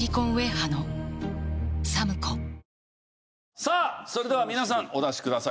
さあそれでは皆さんお出しください